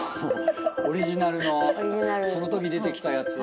オリジナルのそのとき出てきたやつを。